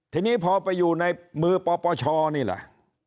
ทีนี้พอไปอยู่ในมือปปชนี่แหละ